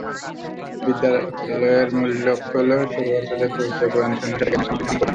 বিদ্যালয়ের মূল লক্ষ্য হল "ছোট বাচ্চাদের পবিত্র কুরআন ও সুন্নাহর সাথে জ্ঞানের সামগ্রিক ধারণা প্রদান করা"।